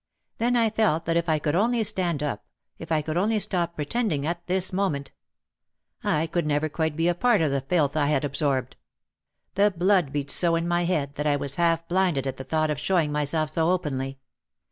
Then I felt that if I could only stand up, if I could only stop pretending at this moment! I could never quite be a part of the filth I had absorbed. The blood beat so in my head that I was half blinded at the thought of showing myself so openly.